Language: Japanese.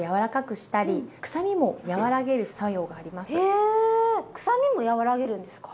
へえくさみも和らげるんですか？